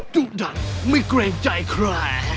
จุดดันไม่เกรงใจแคล่